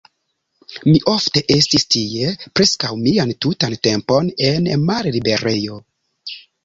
Mi ofte estis tie, preskaŭ mian tutan tempon en malliberejo.